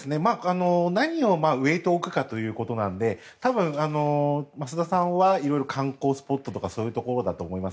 何にウェートを置くかということなので多分、益田さんは色々観光スポットとかそういうところだと思います。